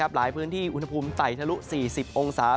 หลายพื้นที่อุณหภูมิไต่ทะลุ๔๐องศา